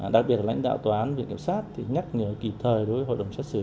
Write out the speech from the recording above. đặc biệt là lãnh đạo tòa án viện kiểm soát nhắc nhở kịp thời đối với hội đồng chất xử